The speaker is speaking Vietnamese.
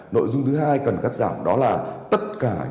nội dung thứ hai cần cắt giảm đó là tất cả